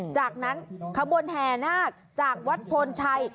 จากนั้นขบวนแห่นาคจากวัดพลชัย